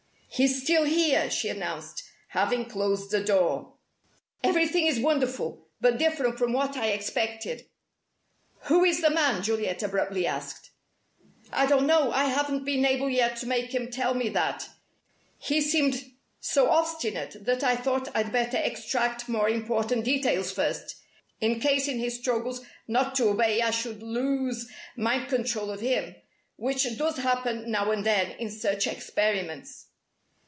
"He's still here!" she announced, having closed the door. "Everything is wonderful but different from what I expected." "Who is the man?" Juliet abruptly asked. "I don't know. I haven't been able yet to make him tell me that. He seemed so obstinate that I thought I'd better extract more important details first, in case in his struggles not to obey I should lose mind control of him which does happen now and then in such experiments."